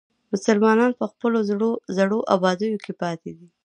مسلمانان په خپلو زړو ابادیو کې پاتې دي.